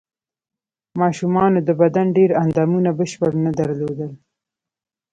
ماشومانو د بدن ډېر اندامونه بشپړ نه درلودل.